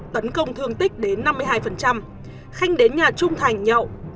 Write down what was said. tấn công thương tích đến năm mươi hai khanh đến nhà trung thành nhậu